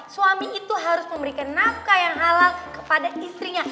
suami itu harus memberikan nafkah yang halal kepada istrinya